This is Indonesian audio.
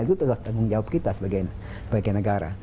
itu tanggung jawab kita sebagai negara